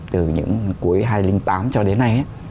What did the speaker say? từ những cuối hai nghìn tám cho đến nay